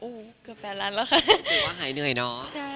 รู้สึกว่าหายเหนื่อยเนอะ